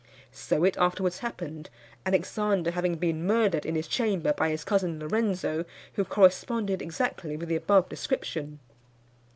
So it afterwards happened, Alexander having been murdered in his chamber by his cousin Lorenzo, who corresponded exactly with the above description.